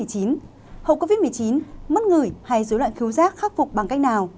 hậu covid một mươi chín mất người hay dối loạn khiếu giác khắc phục bằng cách nào